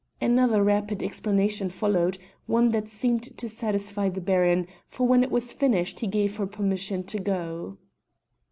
Another rapid explanation followed, one that seemed to satisfy the Baron, for when it was finished he gave her permission to go.